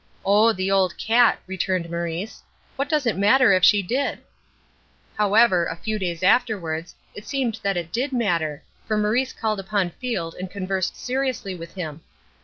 "Oh, the old cat!" returned Maurice. "What does it matter if she did?" However, a few days afterwards, it seemed that it did matter, for Maurice called upon Field and conversed seriously with him.